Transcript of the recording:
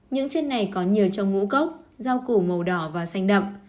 những trên này có nhiều trong ngũ cốc rau củ màu đỏ và xanh đậm